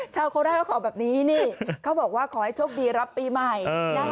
โคราชเขาขอแบบนี้นี่เขาบอกว่าขอให้โชคดีรับปีใหม่